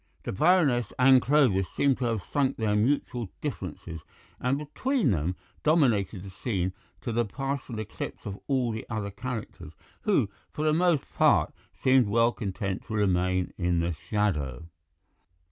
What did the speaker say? The Baroness and Clovis seemed to have sunk their mutual differences, and between them dominated the scene to the partial eclipse of all the other characters, who, for the most part, seemed well content to remain in the shadow.